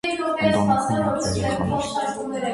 Ընտանիքում միակ երեխան էր։